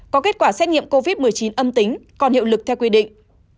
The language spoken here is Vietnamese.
có kết quả xét nghiệm covid một mươi chín âm tính còn hiệu lực theo quy định